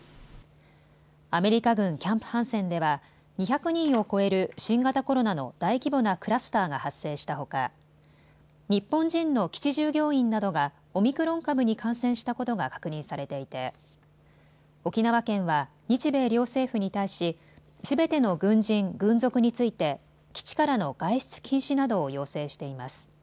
アメリカ軍キャンプハンセンでは２００人を超える新型コロナの大規模なクラスターが発生したほか日本人の基地従業員などがオミクロン株に感染したことが確認されていて沖縄県は日米両政府に対しすべての軍人・軍属について基地からの外出禁止などを要請しています。